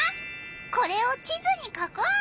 これを地図に書こう！